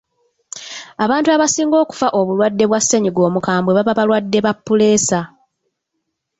Abantu abasinga okufa obulwadde bwa ssennyiga omukambwe baba balwadde ba puleesa.